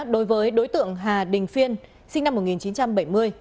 đối với đối tượng hà đình phiên sinh năm một nghìn chín trăm bảy mươi